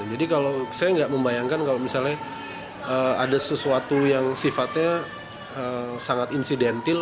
kalau saya nggak membayangkan kalau misalnya ada sesuatu yang sifatnya sangat insidentil